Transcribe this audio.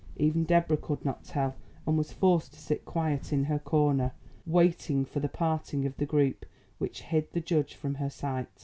Even Deborah could not tell, and was forced to sit quiet in her corner, waiting for the parting of the group which hid the judge from her sight.